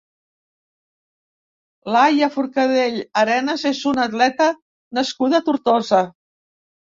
Laia Forcadell Arenas és una atleta nascuda a Tortosa.